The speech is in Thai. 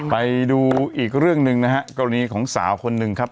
ไปดูอีกเรื่องหนึ่งนะฮะกรณีของสาวคนหนึ่งครับ